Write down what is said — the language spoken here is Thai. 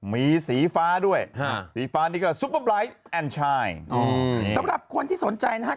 มีสีฟ้าด้วยสีฟ้านี่ก็ซุปเปอร์ไลท์แอนชายสำหรับคนที่สนใจนะฮะ